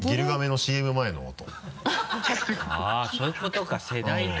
あぁそういうことか世代か。